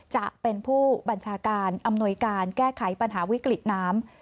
จะเป็นผู้บัญชาการอำนวยการแก้ไขปัญหาวิกฤตน้ำ